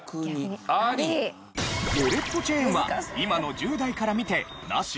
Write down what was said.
ウォレットチェーンは今の１０代から見てナシ？